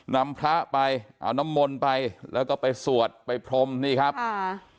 นำพระไปเอาน้ำมนต์ไปแล้วก็ไปสวดไปพรมนี่ครับอ่า